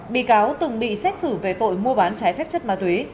bị cáo từng bị xét xử về tội mua bán trái phép chất ma túy